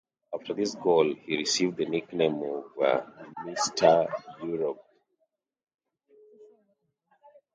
After this goal, he received the nickname of "Mister Europe".